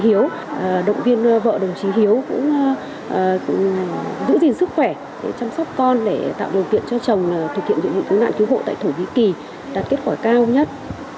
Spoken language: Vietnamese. đạt kết quả cao nhất